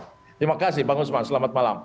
terima kasih bang usman selamat malam